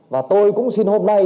và tôi cũng xin hôm nay